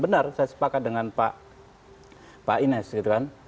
benar saya sepakat dengan pak ines gitu kan